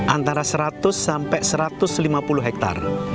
antara seratus sampai satu ratus lima puluh hektare